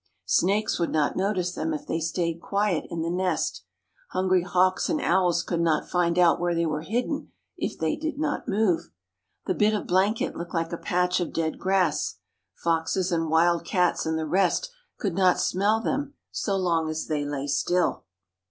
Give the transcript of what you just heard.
Snakes would not notice them if they stayed quiet in the nest. Hungry hawks and owls could not find out where they were hidden if they did not move. The bit of a blanket looked like a patch of dead grass. Foxes and wild cats and the rest could not smell them so long as they lay still.